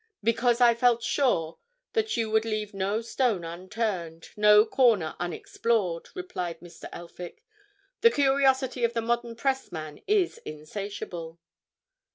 "Because I felt sure that you would leave no stone unturned, no corner unexplored," replied Mr. Elphick. "The curiosity of the modern pressman is insatiable."